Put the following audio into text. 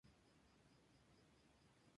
Suelen conservarse.